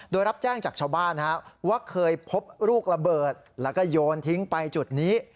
โดยรับแจ้งจากชาวบ้านว่าเคยพบลูกระเบิดแล้วก็โยนทิ้งไปจุดนี้